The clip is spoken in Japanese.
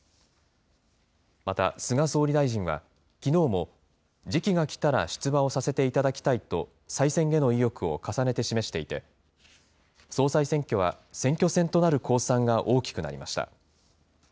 また菅総理大臣は、きのうも時期が来たら出馬をさせていただきたいと、再選への意欲を重ねて示していて、総裁選挙は選挙戦となる公算が大きくなりました。